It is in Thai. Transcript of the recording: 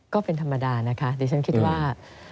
ก็เป็นธรรมดานะคะดิฉันคิดว่า